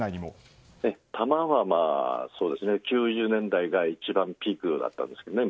弾は９０年代が密輸の一番ピークだったんですけどね